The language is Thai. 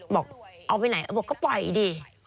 บอกเอาไปไหนบอกก็ปล่อยดิ